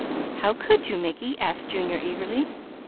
"How could you Mickey?" asked Junior eagerly.